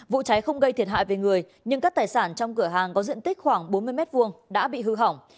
vụ cháy không gây thiệt hại về người nhưng các tài sản trong cửa hàng có diện tích khoảng bốn mươi m hai đã bị hư hỏng